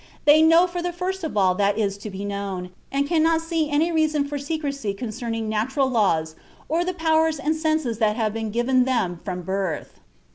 They know from the first all that is to be known, and cannot see any reason for secrecy concerning natural laws or the powers and senses that have been given them from birth."